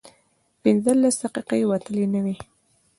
پينځلس دقيقې وتلې نه وې.